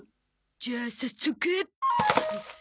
じゃあ早速。